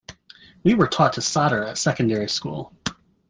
We were taught to solder at secondary school.